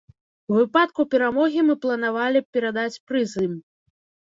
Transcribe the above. У выпадку перамогі мы планавалі перадаць прыз ім.